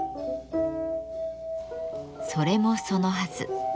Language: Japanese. それもそのはず。